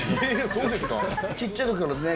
そうですね。